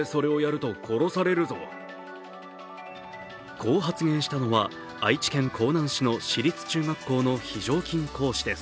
こう発言したのは、愛知県江南市の市立中学校の非常勤講師です。